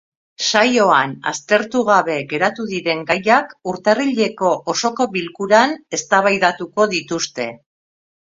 Saioan aztertu gabe geratu diren gaiak urtarrileko osoko bilkuran eztabaidatuko dituzte.